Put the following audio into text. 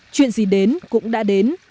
chuyện gì đến cũng đã đến